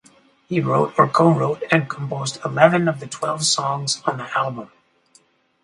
He wrote or co-wrote and composed eleven of the twelve songs on the album.